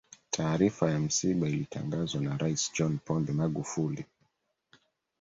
taarifa ya msiba ilitangazwa na rais john pombe magufuli